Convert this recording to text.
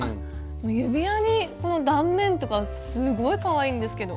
指輪にこの断面とかすごいかわいいんですけど。